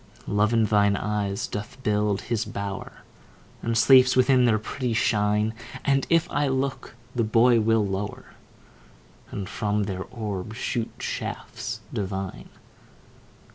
Love in thine eyes doth build his bower, And sleeps within their pretty shine; And if I look, the boy will lower, And from their orbs shoot shafts divine.